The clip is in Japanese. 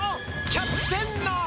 キャプテンの！